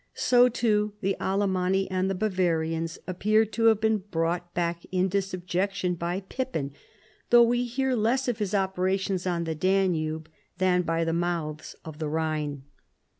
So too the Alamanni and the Bavarians appear to have been brought back into subjection by Pippin, tlioiigh we hear less of his operations on the Danube than by the mouths of the Rhine.